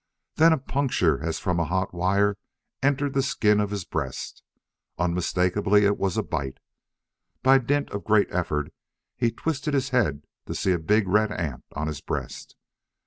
Then a puncture, as from a hot wire, entered the skin of his breast. Unmistakably it was a bite. By dint of great effort he twisted his head to see a big red ant on his breast.